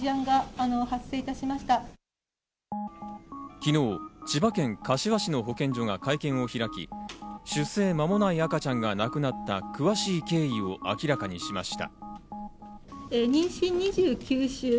昨日、千葉県柏市の保健所が会見を開き、出生の間もない赤ちゃんが亡くなった詳しい経緯を明らかにしました。